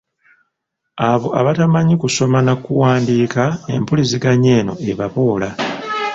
Abo abatamanyi kusoma na kuwandiika empuliziganya eno ebaboola .